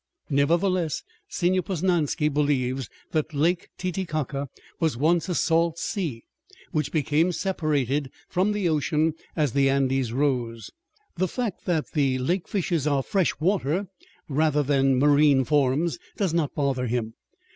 Nevertheless, Señor Posnansky believes that Lake Titicaca was once a salt sea which became separated from the ocean as the Andes rose. The fact that the lake fishes are fresh water, rather than marine, forms does not bother him.